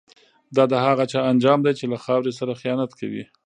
دا د هغه چا انجام دی چي له خاوري سره خیانت کوي.